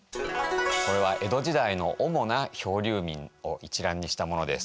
これは江戸時代の主な漂流民を一覧にしたものです。